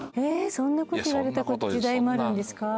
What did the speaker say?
そんな事言われた時代もあるんですか？